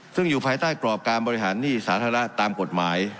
ซึ่งอยู่ภายใต้กรอบการบริหารหนี้สาธารณะตามกฎหมาย